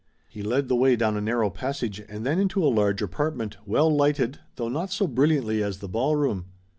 He led the way down a narrow passage, and then into a large apartment, well lighted, though not so brilliantly as the ballroom.